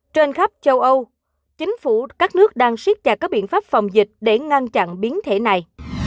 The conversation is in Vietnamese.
trên khắp châu âu chính phủ các nước đang siết chặt các biện pháp phòng dịch để ngăn chặn biến thể này